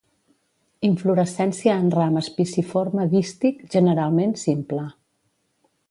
Inflorescència en ram espiciforme dístic, generalment simple.